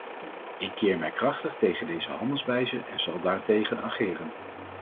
Ik keer mij krachtig tegen deze handelwijze en zal daartegen ageren.